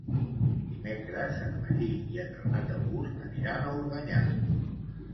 Dimecres en Magí i en Renat August aniran a Organyà.